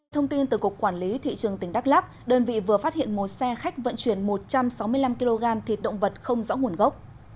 thông tin từ cục quản lý thị trường tỉnh đắk lắc đơn vị vừa phát hiện một xe khách vận chuyển một trăm sáu mươi năm kg thịt động vật không rõ nguồn gốc